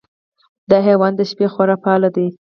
دا حیوان د شپې خورا فعال دی.